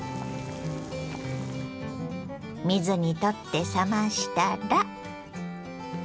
水にとって冷ましたら。